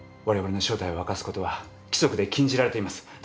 我々の正体を明かす事は規則で禁じられています。